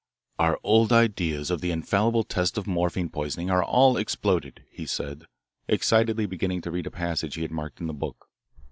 "Our old ideas of the infallible test of morphine poisoning are all exploded," he said, excitedly beginning to read a passage he had marked in the book.